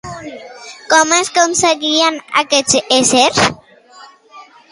Com es concebien aquests éssers?